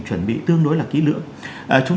để phi tạng